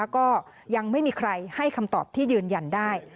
ก็ยังไม่มีใครให้คำตอบที่ยืนยันได้